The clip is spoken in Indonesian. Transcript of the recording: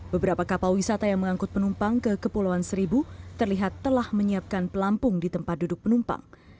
beberapa kapal wisata yang mengangkut penumpang ke kepulauan seribu terlihat telah menyiapkan pelampung di tempat duduk penumpang